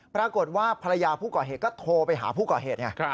ปรากฏว่าภรรยาผู้ก่อเหตุก็โทรไปหาผู้ก่อเหตุไง